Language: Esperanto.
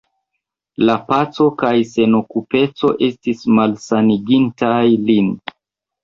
La paco kaj senokupeco estis malsanigintaj lin.